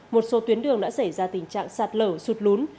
một số tuyến đường đã xảy ra tình trạng sạt lở sụt lún